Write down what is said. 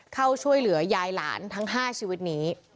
เข้าช่วยเหลือยายหลานทั้ง๕ชีวิตนี้